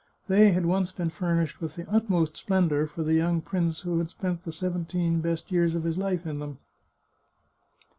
They had once been furnished with the utmost splendour for the young prince who had spent the seventeen best years of his life in then?.